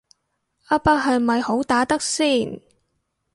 阿伯係咪好打得先